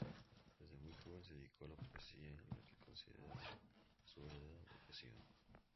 Desde muy joven se dedicó a la poesía, la que consideraba su verdadera vocación.